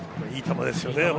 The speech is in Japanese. いい球ですよね。